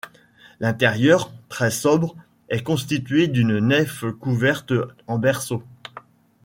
L'intérieur, très sobre, est constitué d'une nef couverte en berceau.